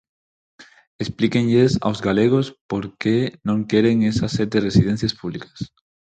Explíquenlles aos galegos por que non queren esas sete residencias públicas.